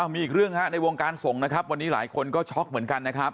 มีอีกเรื่องฮะในวงการส่งนะครับวันนี้หลายคนก็ช็อกเหมือนกันนะครับ